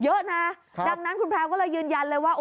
เยอะนะดังนั้นคุณแพลวก็เลยยืนยันเลยว่า